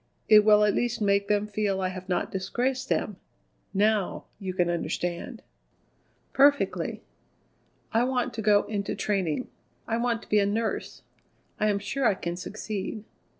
It will at least make them feel I have not disgraced them. Now you can understand!" "Perfectly." "I want to go into training. I want to be a nurse. I am sure I can succeed."